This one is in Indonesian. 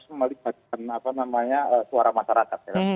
harus melibatkan apa namanya suara masyarakat ya